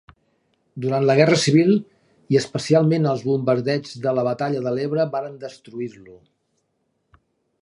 Durant la guerra civil, i especialment els bombardeigs de la batalla de l'Ebre varen destruir-lo.